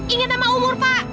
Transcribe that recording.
ingat nama umur pak